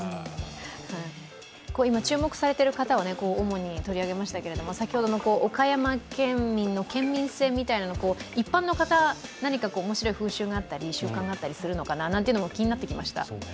今注目されている方を主に取り上げましたけど、先ほどの岡山県民の県民性みたいな、一般の方、何か面白い風習や習慣があったりするのかななんていうのも気になってきました。